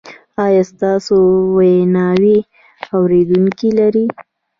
ایا ستاسو ویناوې اوریدونکي لري؟